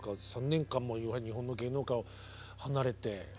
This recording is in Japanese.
３年間も日本の芸能界を離れて。